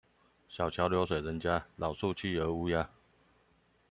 小橋流水人家，老樹企鵝烏鴉